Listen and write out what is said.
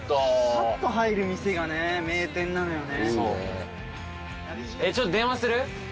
ぱっと入る店が名店なのよね。